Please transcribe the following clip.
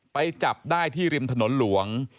ไปจับได้ที่ริมถนนหลวง